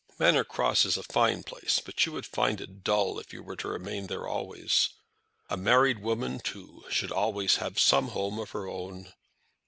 Manor Cross is a fine place, but you would find it dull if you were to remain there always. A married woman too should always have some home of her own."